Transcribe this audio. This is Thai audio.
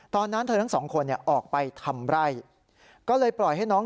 ตอนนั้นเธอทั้งสองคนออกไปทำไร่